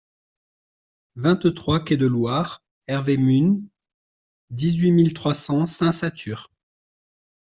vingt-trois quai de Loire Hervé Mhun, dix-huit mille trois cents Saint-Satur